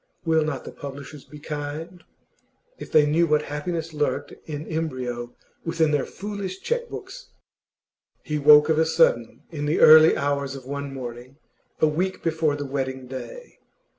Will not the publishers be kind? If they knew what happiness lurked in embryo within their foolish cheque books! He woke of a sudden in the early hours of one morning, a week before the wedding day.